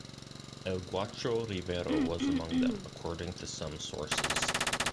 El Gaucho Rivero was among them, according to some sources.